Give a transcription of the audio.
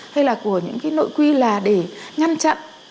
hay là của những cái nội quy là để ngăn chặn